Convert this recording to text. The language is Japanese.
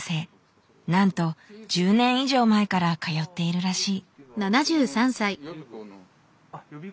なんと１０年以上前から通っているらしい。